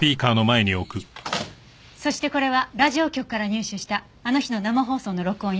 そしてこれはラジオ局から入手したあの日の生放送の録音よ。